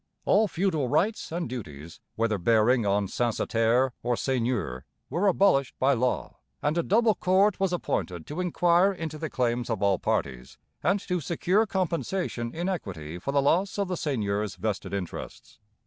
All feudal rights and duties, whether bearing on censitaire or seigneur, were abolished by law, and a double court was appointed to inquire into the claims of all parties and to secure compensation in equity for the loss of the seigneurs' vested interests.